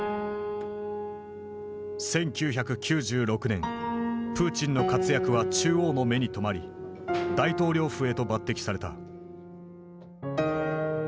１９９６年プーチンの活躍は中央の目に留まり大統領府へと抜擢された。